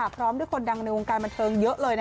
พร้อมด้วยคนดังในวงการบันเทิงเยอะเลย